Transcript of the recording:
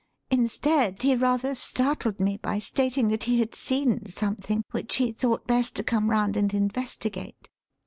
Instead, he rather startled me by stating that he had seen something which he thought best to come round and investigate.